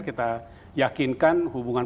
kita yakinkan hubungan